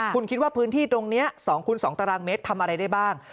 คุณคิดว่าพื้นที่ตรงนี้๒คูณ๒๒ตารางเมตรทำอะไรได้บ้าง